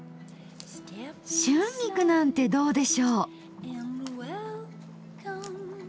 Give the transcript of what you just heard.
春菊なんてどうでしょう？